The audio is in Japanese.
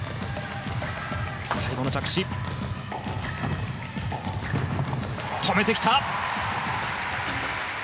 最後の着地、止めてきた！